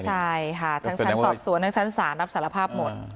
ใช่ค่ะทั้งชั้นสอบสวนทั้งชั้นศาลรับสารภาพหมด